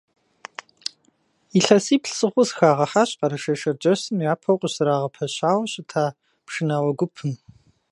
ИлъэсиплӀ сыхъуу сыхагъэхьащ Къэрэшей-Шэрджэсым япэу къыщызэрагъэпэщауэ щыта пшынауэ гупым.